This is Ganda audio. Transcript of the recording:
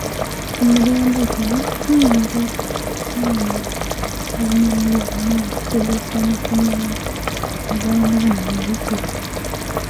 Ku mulembe guno, tuyinza okwawula aluminiyamu nga tukozesea amasanyalaze ag'amaanyi amayitirivu